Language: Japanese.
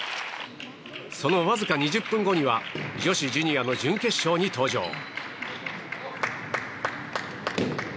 そのわずか２０分後には女子ジュニアの準決勝に登場。